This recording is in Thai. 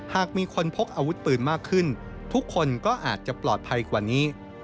หากมีคนพกอาวุธปืนมากขึ้นทุกคนก็อาจจะปลอดภัยกว่านี้